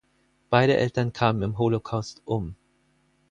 Beide Eltern kamen im Holocaust um.